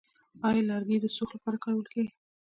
آیا لرګي د سوخت لپاره کارول کیږي؟